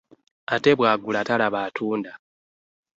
Ate bwaagula talaba atunda ,